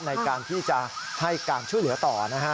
ในการที่จะให้การช่วยเหลือต่อนะฮะ